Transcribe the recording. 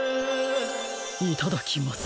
いただきます！